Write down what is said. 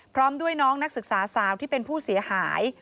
พร้อมด้วยน้องนักศึกษาสาวที่เป็นผู้เสียหาย